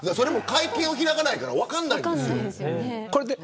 会見を開かないから分からないんですよね。